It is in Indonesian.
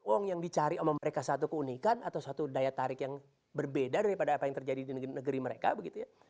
uang yang dicari sama mereka satu keunikan atau satu daya tarik yang berbeda daripada apa yang terjadi di negeri mereka begitu ya